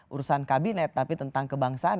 urusan kabinet tapi tentang kebangsaan